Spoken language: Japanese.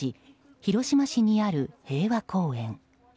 広島市にある平和公園。